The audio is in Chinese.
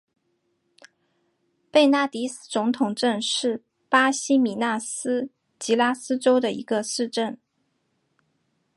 贝纳迪斯总统镇是巴西米纳斯吉拉斯州的一个市镇。